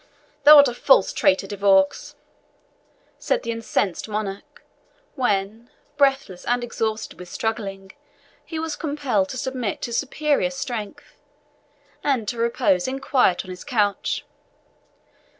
"Thou art a false traitor, De Vaux," said the incensed monarch, when, breathless and exhausted with struggling, he was compelled to submit to superior strength, and to repose in quiet on his couch.